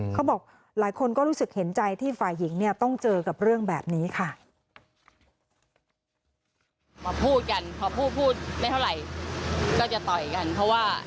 เขาบอกหลายคนก็รู้สึกเห็นใจที่ฝ่ายหญิงเนี่ยต้องเจอกับเรื่องแบบนี้ค่ะ